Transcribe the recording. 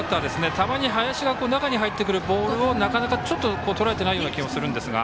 たまに林が中に入ってくるボールをなかなかとらえてない感じもするんですが。